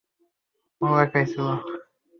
ও একাই ছিল।